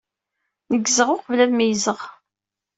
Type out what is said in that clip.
Neggzeɣ uqbel ad meyyzeɣ.